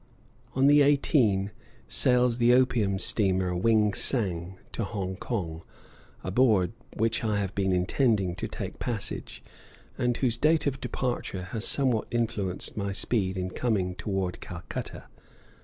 On the 18th sails the opium steamer Wing sang to Hong Kong, aboard which I have been intending to take passage, and whose date of departure has somewhat influenced my speed in coming toward Calcutta.